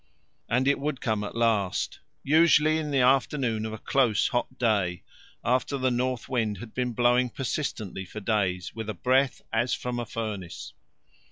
And it would come at last, usually in the afternoon of a close hot day, after the north wind had been blowing persistently for days with a breath as from a furnace.